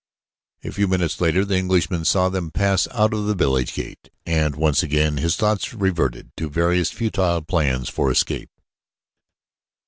A few minutes later the Englishman saw them pass out of the village gate, and once again his thoughts reverted to various futile plans for escape.